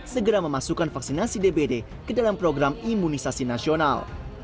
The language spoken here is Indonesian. segera memasukkan vaksinasi dbd ke dalam program imunisasi nasional